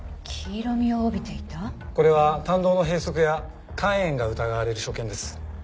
これは胆道の閉塞や肝炎が疑われる所見です。